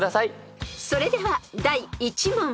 ［それでは第１問］